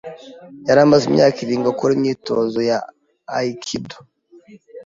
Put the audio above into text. Yari amaze imyaka irindwi akora imyitozo ya Aikido.